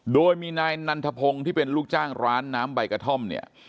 โดยมีนายนันทพงศ์ที่เป็นลูกจ้างร้านน้ำใบกระท่อมเนี่ย